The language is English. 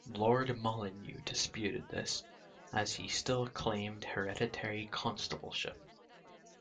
Lord Molyneux disputed this as he still claimed hereditary constableship.